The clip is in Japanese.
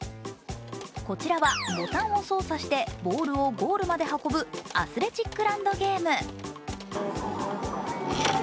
こちらはボタンを操作してボールをゴールまで運ぶ「アスレチックランドゲーム」。